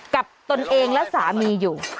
ตนเองและสามีอยู่